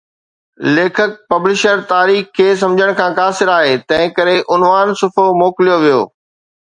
ليکڪ، پبلشر، تاريخ کي سمجھڻ کان قاصر آھي تنھنڪري عنوان صفحو موڪليو ويو